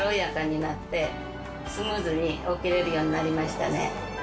スムーズに起きれるようになりましたね。